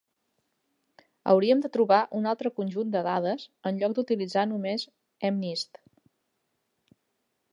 Hauríem de trobar un altre conjunt de dades en lloc d'utilitzar només mnist.